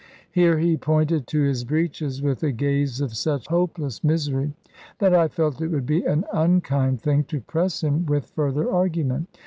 Here he pointed to his breeches with a gaze of such hopeless misery, that I felt it would be an unkind thing to press him with further argument.